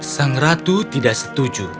sang ratu tidak setuju